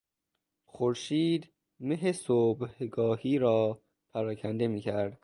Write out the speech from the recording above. خورشید مه صبحگاهی را پراکنده میکرد.